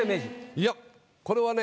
いやこれはね